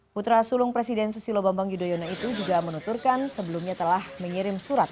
putra sulung presiden susilo bambang yudhoyono itu juga menuturkan sebelumnya telah mengirim surat